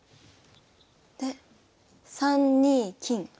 で３二金。